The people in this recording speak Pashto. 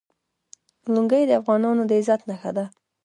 لنګۍ د افغانانو د عزت نښه ده.